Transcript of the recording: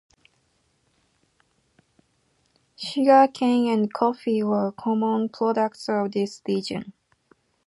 Sugar cane and coffee are common products of this region.